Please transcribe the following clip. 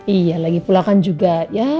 iya lagi pula kan juga ya